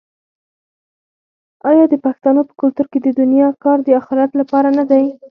آیا د پښتنو په کلتور کې د دنیا کار د اخرت لپاره نه دی؟